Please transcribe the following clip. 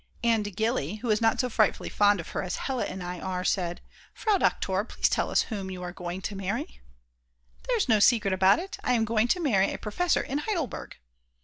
And Gilly, who is not so frightfully fond of her as Hella and I are, said: "Frau Doktor, please tell us whom you are going to marry." "There's no secret about it, I am going to marry a professor in Heidelberg."